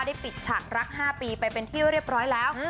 ปิดฉากรัก๕ปีไปเป็นที่เรียบร้อยแล้ว